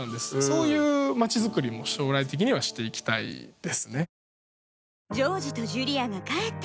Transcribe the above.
そういう街づくりも将来的にはして行きたいですね。